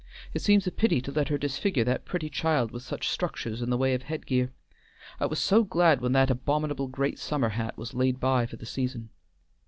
It seems a pity to let her disfigure that pretty child with such structures in the way of head gear. I was so glad when that abominable great summer hat was laid by for the season."